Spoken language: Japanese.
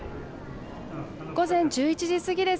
午前１１時過ぎです。